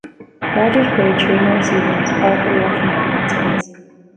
Rogers played three more seasons, all for the Washington Redskins.